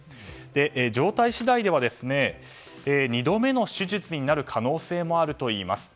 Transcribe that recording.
状態次第では２度目の手術になる可能性もあるといいます。